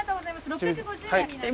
６５０円になります。